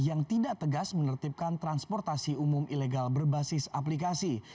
yang tidak tegas menertibkan transportasi umum ilegal berbasis aplikasi